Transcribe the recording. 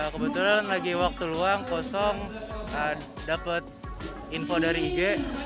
kebetulan lagi waktu luang kosong dapat info dari ig